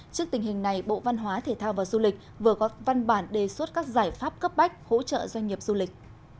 trước tình hình này bộ văn hóa thể thao và du lịch vừa có văn bản đề xuất các giải pháp cấp bách hỗ trợ doanh nghiệp du lịch